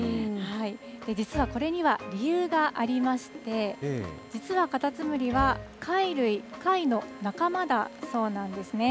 実はこれには理由がありまして、実はカタツムリは貝類、貝の仲間だそうなんですね。